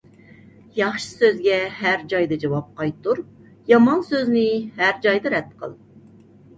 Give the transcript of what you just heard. ياخشى سۆزگە ھەر جايدا جاۋاب قايتۇر، يامان سۆزنى ھەر جايدا رەت قىل.